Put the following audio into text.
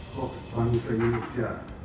kok bangsa indonesia